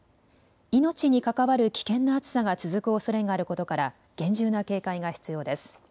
命に関わる危険な暑さが続くおそれがあることから厳重な警戒が必要です。